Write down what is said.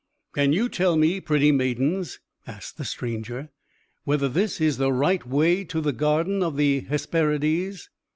"Can you tell me, pretty maidens," asked the stranger, "whether this is the right way to the garden of the Hesperides?"